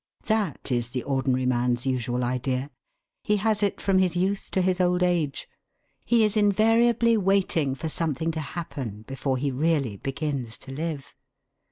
That is the ordinary man's usual idea. He has it from his youth to his old age. He is invariably waiting for something to happen before he really begins to live.